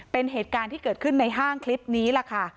เป็นเหตุการณ์ที่เกิดขึ้นในห้างคลิปนี้แหละค่ะ